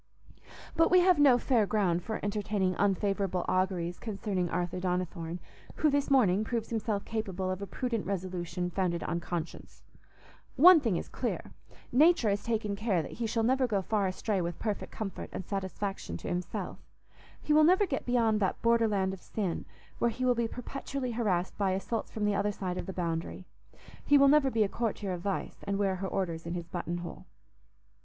But we have no fair ground for entertaining unfavourable auguries concerning Arthur Donnithorne, who this morning proves himself capable of a prudent resolution founded on conscience. One thing is clear: Nature has taken care that he shall never go far astray with perfect comfort and satisfaction to himself; he will never get beyond that border land of sin, where he will be perpetually harassed by assaults from the other side of the boundary. He will never be a courtier of Vice, and wear her orders in his button hole.